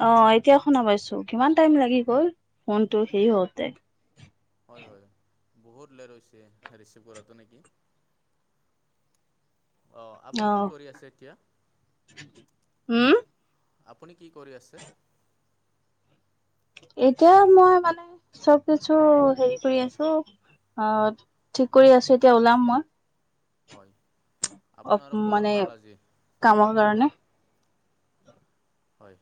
অ এতিয়া শুনা পাইছো কিমান টাইম হয়, লাগি গল ফোনটো সেই হওঁতে। হয়, হয়। বহুত লেট হৈছে ৰিচিভ কৰাটো নেকি। [unintelligible] আহ অ আপুনি কি কৰি আছে এতিয়া? উম আপুনি কি কৰি আছে। এতিয়া মই মানে চব কিছু হেৰি কৰি আছোঁ। অ ঠিক কৰি আছো এতিয়া ওলাম মই। হয়, অ আপোনাৰ খবৰ মানে ভাল আজি? কামৰ কাৰণে। হয়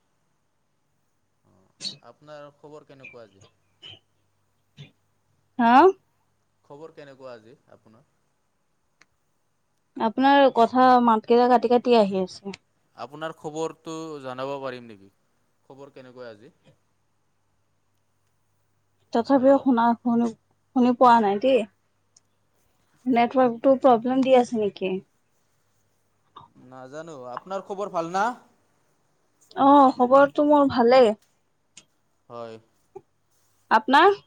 আহ আপোনাৰ খবৰ কেনেকুৱা আজি। হা খবৰ কেনেকুৱা আজি আপোনাৰ? আপোনাৰ কথা মাতকেইটা কাটি কাটি আহি আছে। আপোনাৰ খবৰটো জনাব পাৰিম নেকি খবৰ কেনেকুৱা আজি? [inaudible] তথাপিও হেল্ল'। শুনা শুনি শুনি পোৱা নাই দেই। নেটৱৰ্কটো প্ৰব্লেম দি আছে নেকি? নাজানো আপোনাৰ খবৰ ভাল না। অ খবৰটো মোৰ ভালেই। হয়। আপোনাৰ?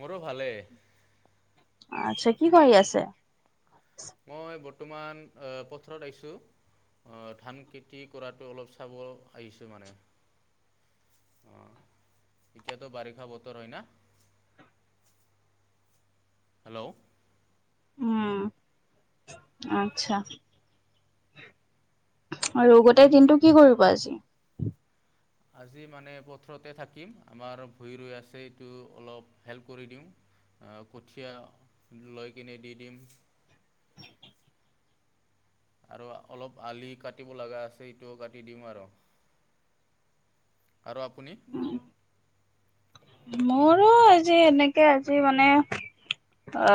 মোৰো ভালেই। আচ্ছা কি কৰি আছে? মই বৰ্তমান পথাৰত আহিছোঁ। আহ ধান- খেতি কৰাতো অলপ চাব আহিছোঁ মানে অ এতিয়াতো বাৰিষা বতৰ হয় না। হেল্ল' উম! আচ্ছা। আৰু গোটেই দিনটো কি কৰিবা আজি। আজি মানে পথৰতে থাকিম আমাৰ ভূৰি ৰৈ আছে এইটো অলপ হেল্প কৰি দিওঁ। আহ কঠীয়া লৈ কিনে দি দিম। আৰু অলপ আলি কাটিব লগা আছে ইটোও কাটি দিম আৰু। আৰু আপুনি? মোৰো আজি এনেকে আজি মানে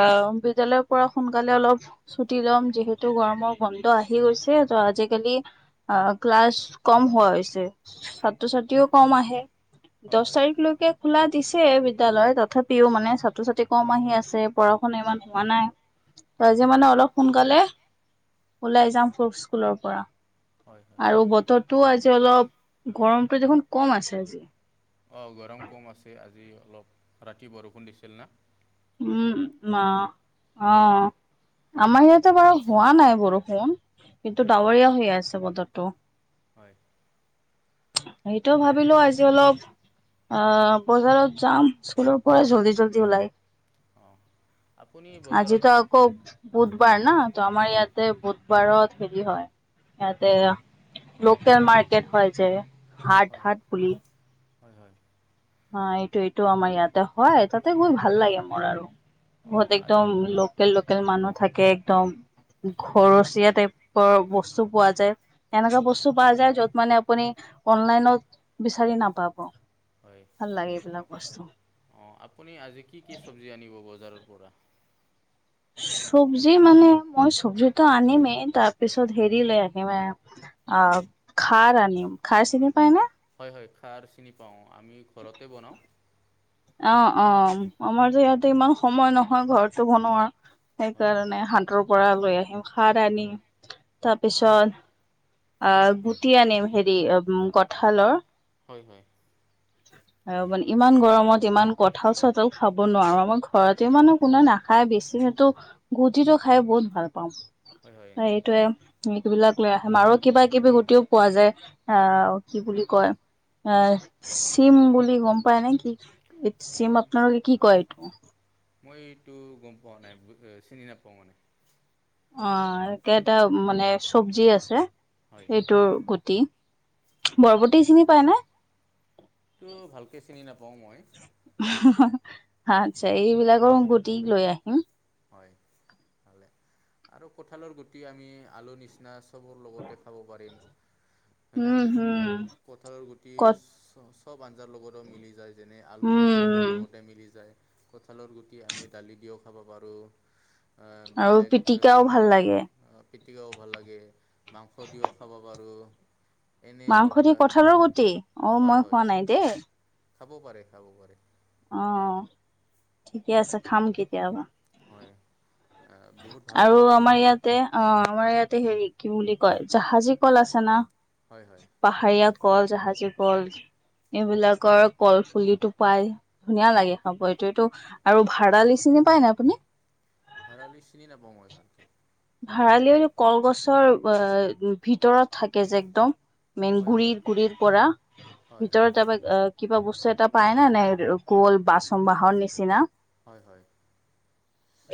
অ বিদ্যালয়ৰ পৰা সোনকালে অলপ ছুটি লম যিহেতু গৰমৰ গন্ধ আহি গৈছে। আজিকালি অ ক্লাছ কম হোৱা হৈছে ছাত্ৰ- ছাত্ৰীও কম আহে। হয় দহ হয় তাৰিখলৈকে খোলা দিছে বিদ্যালয় তথাপিও মানে ছাত্ৰ-ছাত্ৰী কম আহি আছে পঢ়া -শুনা ইমান হোৱা নাই ত হয় আজি মানে অলপ সোনকালে ওলাই যাম ফ স্কুলৰ পৰা, হয় হয় আৰু বতৰটোও আজি আজি অলপ গৰমটো দেখোন কম আছে। অ গৰম কম আছে আজি, অলপ ৰাতি বৰষুণ দিছিল না উম! মা অৱ আমাৰ ইয়াতে বাৰু হোৱা নাই বৰষুণ। কিন্তু হয় ডাৱৰীয়া হৈ আছে বতৰটো। হয় সেইটো অঁ ভাবিলো আজি অলপ। আহ বজাৰত যাম স্কুলৰ পৰা জল্দি জল্দি ওলাই অঁ আপুনি বজাৰত আজিতো আকৌ বুধবাৰ হয় না আমাৰ হয় ইয়াতে বুধবাৰত হেৰি হয় ইয়াতে লোকেল মাৰ্কেট হয় যে হাত হয় হাত পুলি [unintelligible] অ এইটো এইটো আমাৰ ইয়াতে হয় তাতে গৈ ভাল লাগে মোৰ আৰু অঁ বহুত আ- একদম লোকেল লোকেল মানুহ থাকে একদম ঘৰচীয়া টাইপৰ বস্তু পোৱা যায় এনেকুৱা বস্তু পোৱা যায় য'ত মানে আপুনি অনলাইনত বিচাৰি নাপাব [unintelligible] ভাল লাগে এইলাক বস্ত অঁ আপুনি আজি কি কি চবজি আনিব বজাৰৰ পৰা! চব্জি মানে মই চব্জিতটো আনিমেই তাৰপিছত হেৰি লৈ আহিম এ অ খাৰ আনিম খাৰ চিনি পাই ন হয় হয় খাৰ চিনি পাওঁ আমি ঘৰতে বনাওঁ অৱ অৱ আমাৰ যে ইয়াতে ইমান সময় নহয় ঘৰটো বনোৱাৰ হয় সেইকাৰণে হাতৰ পৰা লৈ আনিম, খাৰ আদি হয় তাৰপিছত অ গুটি আনিম হেৰি কঠাঁলৰ হয় হয়। আৰু মানে ইমান গৰমত ইমান কঁঠাল চঠাল খাব নোৱাৰো, আমাৰ ঘৰতে মানে কোনে নাখায় বেছি সো গুটিটো খাই বহুত ভাল পাওঁ হয় হয় আৰু এইটোৱে সেই বিলাক লৈ আহেম আৰু কিবা কিবি গুটিও পোৱা যায় আহ কি বুলি কয়। আহ চিম বুলি গম পায় নেকি ই চেম মই আপোনালোকে কি কয় এইটো মই এইটো গম পোৱা নাই চিনি নাপাওঁ মানে অ একেটা মানে চব্জি আছে। হয় হয় এইটোৰ গুটি হয় বৰবটি চিনি পায় নে সেইটো ভালকে চিনি নাপাওঁ মই। হাঁ, হাঁ আচ্ছা এইবিলাকৰ গুতি লৈ আহিম হয় ভ আৰু কঠালৰ গুটি আমি আলু নিচিনা লগতে খাব পাৰি হয় না, উম হম কঁঠালৰ গুটি কত [unintelligible] চব আঞ্জাৰ লগতে মিলি যায় যেনে আলু উম চবৰ উম লগতে মিলি যায়। কঁঠালৰ গুটি আমি দালি দিওঁ খাব পাৰোঁ আৰু পিটিকাও ভাল লাগে। অ পিটিকাও ভাল লাগে মাংস দিওঁ খাব পাৰোঁ এনেই মাংস দি কঁঠালৰ গুটি অ হয় মই হয় খোৱা নাই দেই। খাব পাৰে খাব পাৰে। অঁ ঠিকে আছে খাম কেতিয়াবা হয়। বহুত ভাল আৰু লাগে আমাৰ ইয়াতে অঁ আমাৰ ইয়াতে হেৰি কি বুলি কয় জাহাজী কল আছে না হয় হয় পাহাৰ ইয়াত কল যাহাজি যে কল এইবিলাকৰ কলফুলিটো পাই ধুনীয়া লাগে খাব এইটো এইটো আৰু ভাডডালিচি চিনি পায় ন আপুনি লৈ চিনি নাপাওঁই ভালকে ভাৰালি কলগছৰ ভিতৰত থাকে যে একদম মেইন হয় হয় গুৰিৰ গুৰিৰ পৰা হয় ভিতৰত তাৰপা কিবা বস্তু এটা পাই ন নাই ক'ল বাচন বাহৰ নিচিনা হয় হয়।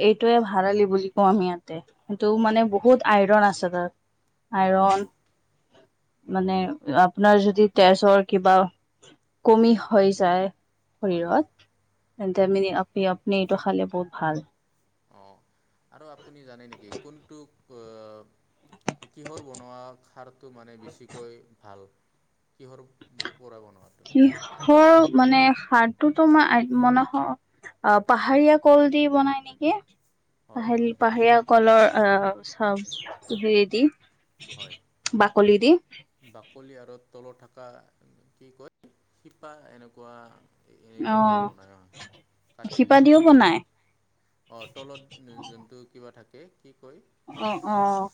এইটোয়ে ভাৰালি বুলি কওঁ আমি ইয়াতে কিন্তু মানে অঁ বহুত আইৰন আছে হয় হয় আইৰন মানে আপোনাৰ যদি তেজৰ কিবা কমি হৈ যায়। হয় শৰীৰত, হয় তেন্তে আপ আপুনি এইটো খালে বহুত ভাল। অঁ আৰু আপুনি জানে নেকি কোনটো কিহৰ বনোৱা খাৰ মানে বেছিকৈ ভাল কিহৰ পৰা বনা কিহৰ মানে সাৰটোতো মই মানে অ' পাহাৰীয়া কল কলদি বনাই নেকি। হয় পাহৰী হয় পাহাৰীয়া কলৰ আ' চব ৰেদি হয়। বাকলি দি। বাকলি আৰু তলত থকা কি কয়, শিপা এনেকুৱা এনেকুৱা দিও অঁ, বনাই হয়। শিপা দিওঁ বনাই। অঁ, তলত যোনটো কিবা থাকে কি কয়। অ', অ'।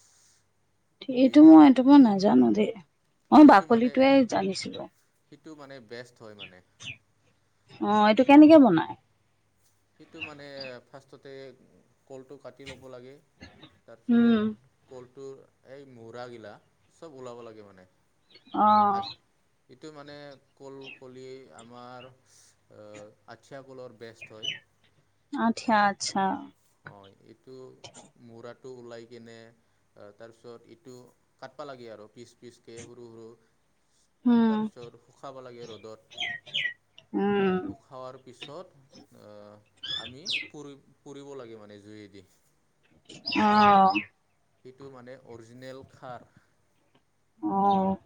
এইটো এৰিও মই এইটো বনাই মই নাজানো দেই মই সেইটো মানে বাকলিটোৱে জানিছিলো। সেইটো মানে বেষ্ট হয় মানে। অঁ, এইটো কেনেকে বনাই। সেইটো মানে ফাৰ্ষ্টতে কলটো কাটি লব লব লাগে উম। তাৰপিছত কলটো এই মুৰা গিলা চব ওলাবা লাগে মানে। অঁ', এইটো মানে কল কলি আমাৰ অ' আঠিয়া কলৰ বেষ্ট হয়। আচ্ছা, আটচা হয়। এইটো মুৰাটো উলাই কিনে তাৰপিছত ইটো কাটবা লাগে আৰু। পিচ পিচ কে সৰু সৰু! উম তাৰ পিছত শুখাবা লাগে ৰ'দত, উম আঁ' শুখাৱাৰ পিছত অঁ' আমি পুৰি পুৰিব লাগে মানে জুইয়েদি। অঁ। ', সিটো মানে অৰ্জিনেল খাৰ। অঁ',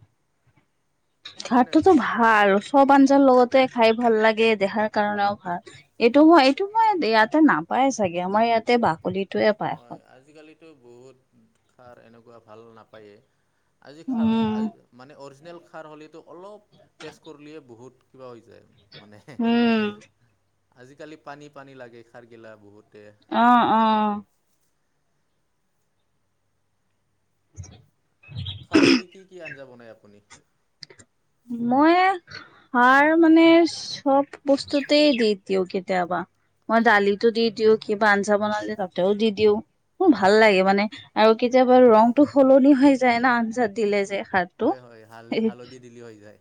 মানে খাৰটোতো বি ভাল সব আ লগতে খাই ভাল লাগে দেহাৰ কাৰণেও ভাল এইটো মই হয় এইটো মই ইয়াত তে নাপায় চাগে, আমাৰ ইয়াতে বাকলিত হয়, আজিকালিতো বহুত খাৰ এনেকুৱা ভাল নাপায়ে। আজি খাৰ উম। আজি মানে অৰ্জি নেল খাৰ হ'লিতো অলপ টেষ্ট কৰলিয়ে বহুত কিবা হৈ যায়। মানে, উম আজিকালি পানী পানী লাগে খাৰগিলা বহুত। অ', অ, [inaudible] খাৰেদি কি কি আঞ্জা বনাই আপুনি? মই সাৰ মানে চব বস্তুতেই দি দিওঁ কেতিয়াবা। মই দালিতো দি দিওঁ কিবা আঞ্জা বনালে তাতেও দি দিওঁ। মোৰ হয় ভাল হয় লাগে মানে আৰু কেতিয়াবা ৰংটো সলনি হৈ যায় না আঞ্জাত দিলে যে। সাৰটো। হয়, হয়, হাল হালধি দিলি হৈ যায়।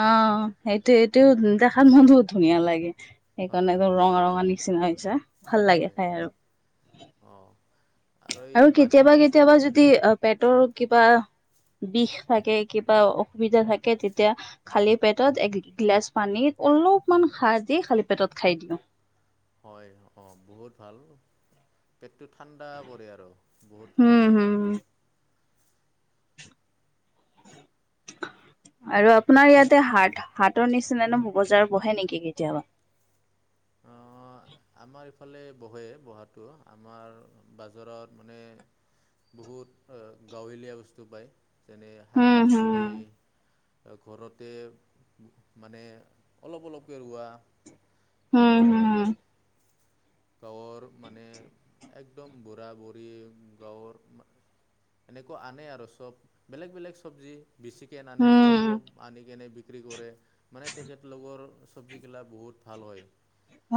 অ' সেইটো সেইটোও দেখাত মান বহুত ধুনীয়া লাগে হয় সেইকাৰণে ৰঙা ৰঙা নি। নিচিনা হৈছে, ভাল লাগে হয় হয় খাই আৰু। অঁ এই আৰু মাটি কেতিয়াবা কেতিয়াবা যদি আ' পেটৰ কিবা বিষ থাকে, কিবা অসুবিধা থাকে তেতিয়া খালি পেটত এক গিলাচ পানীত অলপমান খাৰ দি খালি পেটত খাই দিবা। হয়, অ, বহুত ভাল পেটটো ঠাণ্ডা পৰে আৰু। বহুত হুম ভাল হয়। হুম। উম, আৰু আপোনাৰ ইয়াতে হাত হাতৰ নিচিনানো ম বজাৰ বহে নেকি কেতিয়াবা? অ', আমাৰ ইফালে বহে বহাটো আমাৰ বাজাৰত মানে। বহুত গাঁৱলীয়া বস্তু পায় যেনে শাক হুম পাচলি। হুম ঘৰতে মানে অলপ অলপকৈ ৰোৱা। হুম আহ হুম গাঁৱৰ মানে একদম বুঢ়া-বুঢ়ী গাঁৱৰ এনেকুৱা আনে আৰু চব বেলেগ-বেলেগ চবজি। বেছিকৈ আনে হুম। অলপ-অলপ আন কেনে বিক্ৰী কৰে মানে তেখেতলোকৰ চব্জি কিলা বহুত ভাল হয়। ন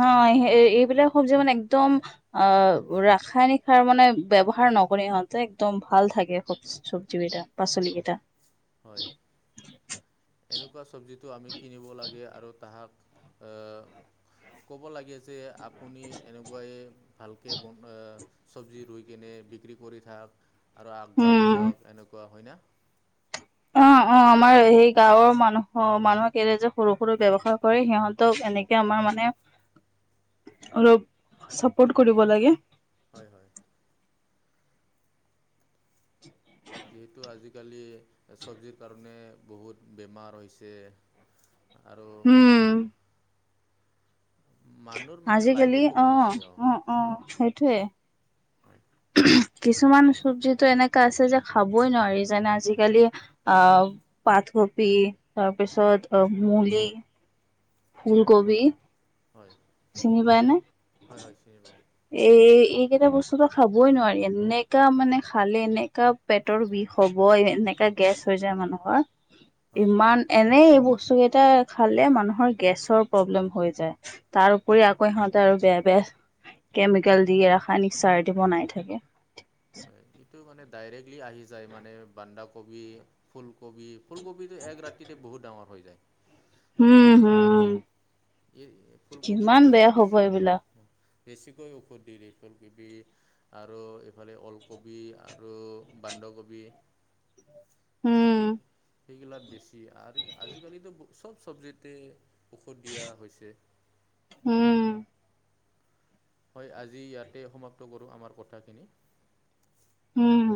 এইবিলাক সব্জি মানে একডম অ' ৰাসায়নিক সাৰ মানে ব্যৱহাৰ। নকৰি হয়ত একদম ভাল থাকে স চব্জি কেইটা পাচলি কেইটা। হয়। এনেকুৱা চব্জিতটো আমি কিনিব লাগে আৰু তাহাক এ, ক'ব লাগে যে আপুনি এনেকুৱাই ভালকৈ বন চব্জি ৰুই কেনে বিক্ৰী কৰি থাক। আৰু আগবঢ়ি উম যাওক এনেকুৱা হয় না। অ অ [inaudible] আমাৰ সেই গাঁৱৰ মানুহ মানুহে কে যে সৰু-সৰু ব্যয়ৱসায় কৰে সিহঁতক এনেকে আমাৰ মানে। [inaudible] অলপ চাপৰ্ট কৰিব লাগে। হয়-হয়। যিহেতু আজি আজি-কালি চব্জিৰ কাৰণে বহুত বেমাৰ হৈছে। আৰু হুম। মানুহৰ মানে লাইভো আজি-কালি, কমি অ, গৈছে অ-অ সেইটোৱে। হয় কিছুমান চবজিতো এনেকা আছে যে খাবই নোৱাৰি। যেনে আজি-কালি আ আথ কপি, তাৰপিছত অ'- মুলি, ফুলগোবি হয়, হয়-হয় চিনি পাওঁ। এ এইকেইটা বস্তুটো খাবই নোৱাৰি। এনেকা মানে খালে এনেকা পেটৰ বিষ হ'বই এনেকা গেছ হৈছে মানুহৰ। হয় ইমান এনেই বস্তুকেইটা খালে মানুহৰ গেছৰ প্ৰব্লেম হৈ যায়। তাৰ উপৰি আকৌ সিহঁতে আৰু বেয়া বে কেমিকেল হয়। দিয়া [unintelligible] দি বনাই থাকে। হয় সেইটো মানে ডাইৰেক্টলি আহি যায়। মানে বান্ধাকবি, ফুলকবি ফুলকবিটো এক ৰাতিতে বহুত ডাঙৰ হয়। হুম হুম। এই ফুলকবিত ব বেছি। এইবিলাক। বেছিকৈ ঔষধ দিলে এই ফুলকবি আৰু এইফালে ওলকবি আৰু বাণ বন্ধাকবি উম উম। সেইগিলাক বেছি, আজি আজিকালিতো চব চবজিতে দিয়া হৈছে। উম হয়, আজি ইয়াতে সমাপ্ত কৰোঁ আমাৰ কথাখিনি। উম।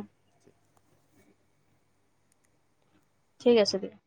ঠিক আছে দিয়া।